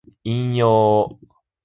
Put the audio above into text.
引用